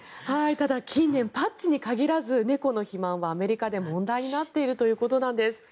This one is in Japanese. ただ、近年パッチに限らず猫の肥満はアメリカで問題になっているということです。